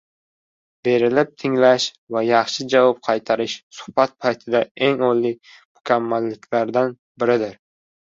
Berilib ting‘lash va yaxshi javob qaytarish suhbat paytida eng oliy mukamalliklardan biridir.